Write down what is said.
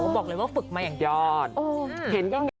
บอกเลยว่าฝึกมาอย่างนี้